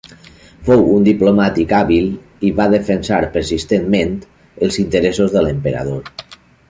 Fou un diplomàtic hàbil, i va defensar persistentment els interessos de l'emperador.